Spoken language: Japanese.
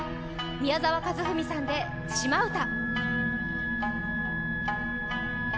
宮沢和史さんで「島唄」。